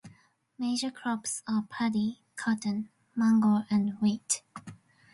Major crops are paddy, cotton, mango and wheat.